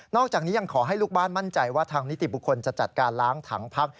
อกจากนี้ยังขอให้ลูกบ้านมั่นใจว่าทางนิติบุคคลจะจัดการล้างถังพัก